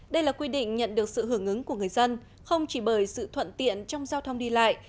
đây là quy định nhận được sự hưởng ứng của người dân không chỉ bởi sự thuận tiện trong giao thông đi lại